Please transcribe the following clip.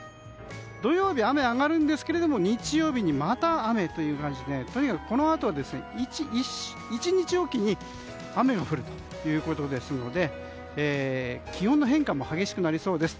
土曜日、雨は上がりますが日曜日にまた雨という感じでとにかくこのあと１日おきに雨が降るということですので気温の変化も激しくなりそうです。